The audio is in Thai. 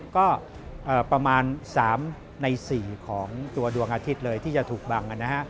ก็ประมาณ๓ใน๔ของตัวดวงอาทิตย์เลยที่จะถูกบังนะฮะ